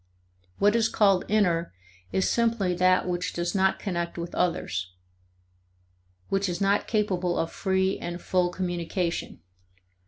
What is called inner is simply that which does not connect with others which is not capable of free and full communication.